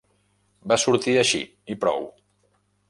Va sortir així i prou.